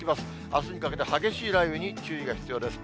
あすにかけて激しい雷雨に注意が必要です。